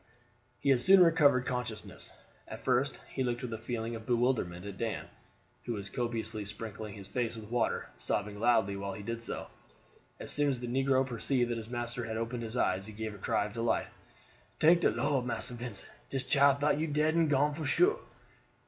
He had soon recovered consciousness. At first he looked with a feeling of bewilderment at Dan, who was copiously sprinkling his face with water, sobbing loudly while he did so. As soon as the negro perceived that his master had opened his eyes he gave a cry of delight. "Tank de Lord, Marse Vincent; dis child tought you dead and gone for sure."